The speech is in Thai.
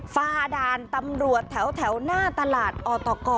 ฝ่าด่านตำรวจแถวหน้าตลาดออตก